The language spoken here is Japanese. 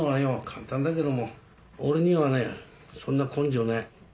簡単だけども俺にはねそんな根性ない。